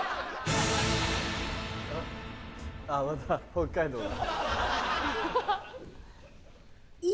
あっまた北海道だ。